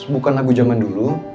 bukan lagu jaman dulu